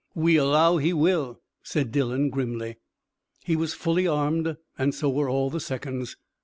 "We allow he will," said Dillon grimly. He was fully armed, and so were all the seconds.